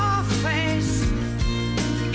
buka bukaan aja di sini ya